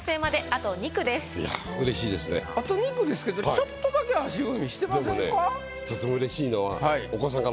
あと２句ですけどちょっとだけ足踏みしてませんか？